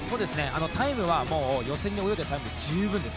タイムは予選で泳いだタイムで十分です。